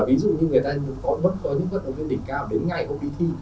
ví dụ như người ta có những vận động viên bình cảm đến ngày hôm đi thi